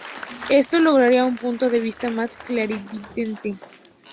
Esto lograría un punto de vista más clarividente.